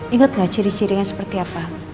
inget nggak ciri cirinya seperti apa